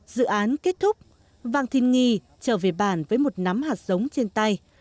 dự án kết thúc vàng thìn nghi trở về bản với một nắm hạt giống trên tay